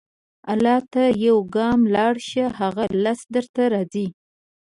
الله ته یو ګام لاړ شه، هغه لس درته راځي.